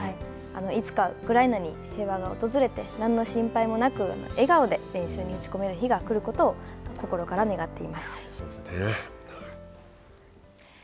いつかウクライナに平和が訪れて何の心配もなく笑顔で練習に打ち込める日が来ることを心から願っそうですね。